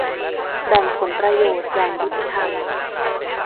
แบ่งผลประโยชน์อย่างยุติธรรม